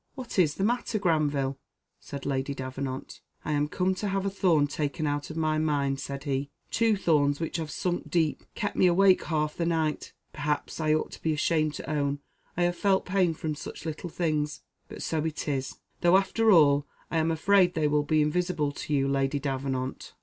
"What is the matter, Granville?" said Lady Davenant. "I am come to have a thorn taken out of my mind," said he "two thorns which have sunk deep, kept me awake half the night. Perhaps, I ought to be ashamed to own I have felt pain from such little things. But so it is; though, after all, I am afraid they will be invisible to you, Lady Davenant."